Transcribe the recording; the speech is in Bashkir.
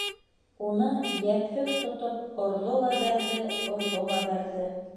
Уны, йәпһеҙ тотоп орҙо ла бәрҙе, орҙо ла бәрҙе.